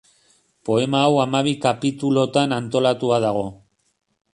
Poema hau hamabi kapitulutan antolatua dago.